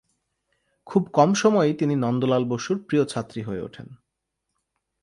খুব কম সময়েই তিনি নন্দলাল বসুর প্রিয় ছাত্রী হয়ে ওঠেন।